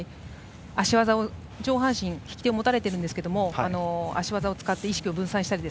上半身の引き手を持たれているんですが足技を使って意識を分散したり。